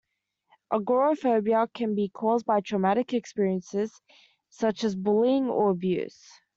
Agoraphobia can be caused by traumatic experiences, such as bullying or abuse.